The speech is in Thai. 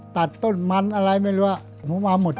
ตัดต้นมันอะไรไม่รู้ผมมาหมด